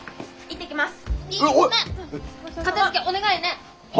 行ってきます。